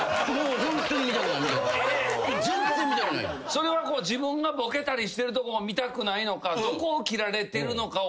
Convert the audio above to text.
それは自分がボケたりしてるとこを見たくないのかどこを切られてるのかを確認してしまうのが。